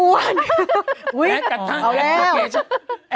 ไม่ใช่ก็หมายถึงว่าคุณนะ